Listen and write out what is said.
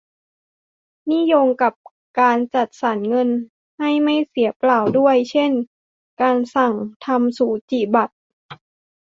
นี่โยงกับการจัดสรรเงินให้ไม่เสียเปล่าด้วย เช่นการสั่งทำสูจิบัตร